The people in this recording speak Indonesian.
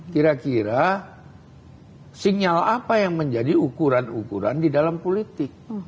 kira kira sinyal apa yang menjadi ukuran ukuran di dalam politik